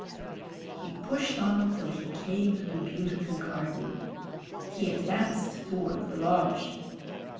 He pushed on till he came to the beautiful garden. He advanced toward the lodge.